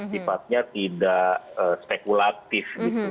sifatnya tidak spekulatif gitu